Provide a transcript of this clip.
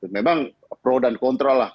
memang pro dan kontra lah